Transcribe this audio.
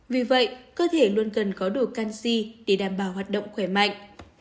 vì vậy cơ thể luôn cần có đồ canxi để đảm bảo hoạt động khỏe mạnh